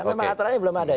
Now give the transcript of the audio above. memang aturannya belum ada